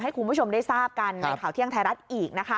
ให้คุณผู้ชมได้ทราบกันในข่าวเที่ยงไทยรัฐอีกนะคะ